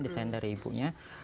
desain dari ibunya